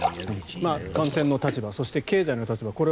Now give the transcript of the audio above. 感染の立場そして経済の立場